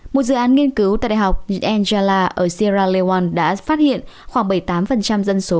một dự án nghiên cứu tại đại học angela ở sierra leone đã phát hiện khoảng bảy mươi tám dân số